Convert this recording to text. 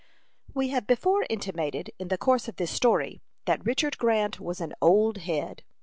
We have before intimated, in the course of this story, that Richard Grant was an "old head."